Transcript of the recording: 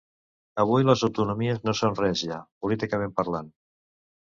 Avui les autonomies no són res ja, políticament parlant.